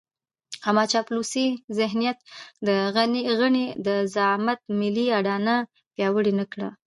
اما چاپلوس ذهنيت د غني د زعامت ملي اډانه پياوړې نه کړه.